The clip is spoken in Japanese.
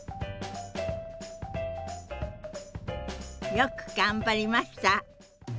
よく頑張りました！